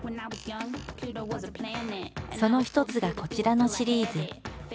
その一つがこちらのシリーズ。